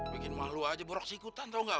bikin malu aja borok sikutan tau gak